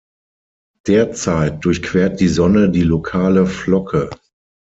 Derzeit durchquert die Sonne die Lokale Flocke.